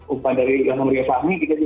umpan dari ria fahmi